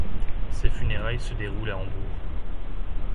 Ses funérailles se déroulent à Hambourg.